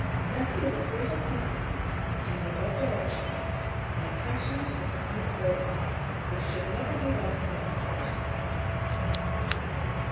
Nothing is of greater consequence, in the above directions, than attention to the time of boiling, which should never be less than that mentioned.